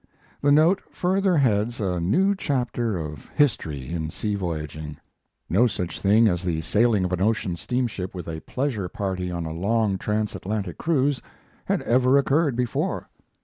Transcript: The note further heads a new chapter of history in sea voyaging. No such thing as the sailing of an ocean steamship with a pleasure party on a long transatlantic cruise had ever occurred before.